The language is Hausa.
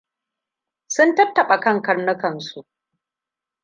Sun tattaɓa kan karnukansu.